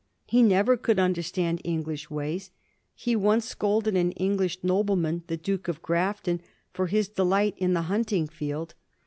He never could un/lerstand English ways. He once scolded an English nobleman, the Duke of Grafton, for his delight in the hunting field.